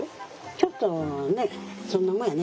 ちょっとねそんなもんやね。